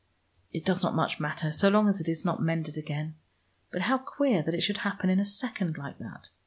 It does not much matter, so long as it is not mended again. But how queer that it should happen in a second, like that.